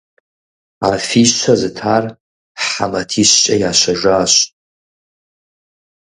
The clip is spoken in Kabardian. Афищэ зытар хьэ матищкӀэ ящэжащ.